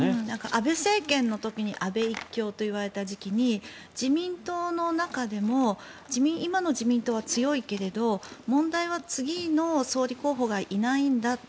安倍政権の時に安倍一強といわれた時期に自民党の中でも今の自民党は強いけれど問題は次の総理候補がいないんだと。